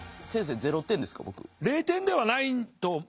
０点ではないと。